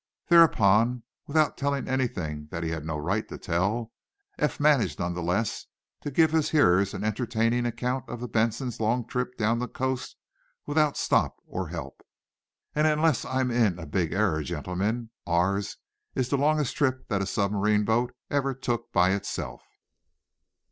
Thereupon, without telling anything that he had no right to tell, Eph managed none the less to give his hearers an entertaining account of the "Benson's" long trip down the coast without stop or help. "And, unless I'm in a big error, gentlemen, ours is the longest trip that a submarine boat ever took by itself."